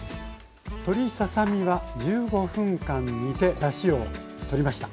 鶏ささ身は１５分間煮てだしをとりました。